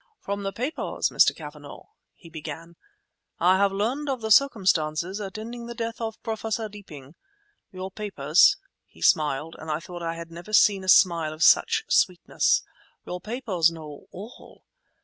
"From the papers, Mr. Cavanagh," he began, "I have learned of the circumstances attending the death of Professor Deeping. Your papers"—he smiled, and I thought I had never seen a smile of such sweetness—"your papers know all!